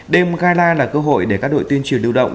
đêm gala là cơ hội để các đội tuyên truyền lưu động